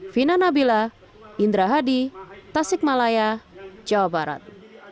vina nabila indra hadi tasik malaya jawa barat